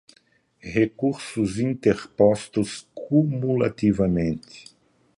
recursos interpostos, cumulativamente.